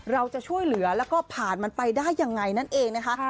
เราจะช่วยเหลือแล้วก็ผ่านมันไปได้ยังไงนั่นเองนะคะ